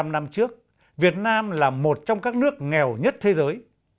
bốn mươi năm năm trước việt nam là một trong các nước nghèo nhất thế giới